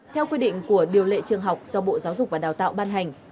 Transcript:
theo quy định của điều lệ trường học do bộ giáo dục và đào tạo ban hành